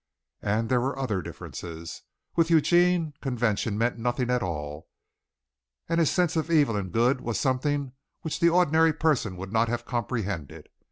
And there were other differences. With Eugene convention meant nothing at all, and his sense of evil and good was something which the ordinary person would not have comprehended.